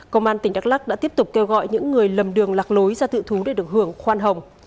công an tỉnh đắk lắc đã tiếp tục kêu gọi những người lầm đường lạc lối ra tự thú để được hưởng khoan hồng